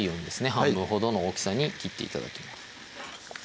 半分ほどの大きさに切って頂きます